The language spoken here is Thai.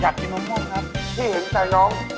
อยากกินมะม่วงนะชินใจน้อง